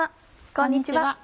こんにちは。